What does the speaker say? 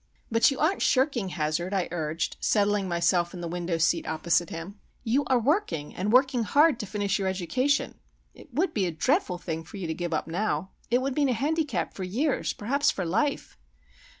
"But you aren't shirking, Hazard," I urged, settling myself in the window seat opposite him. "You are working, and working hard, to finish your education. It would be a dreadful thing for you to give up now,—it would mean a handicap for years, perhaps for life."